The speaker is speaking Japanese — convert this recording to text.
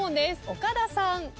岡田さん。